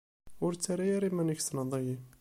Ur ttarra ara iman-im tessneḍ-iyi.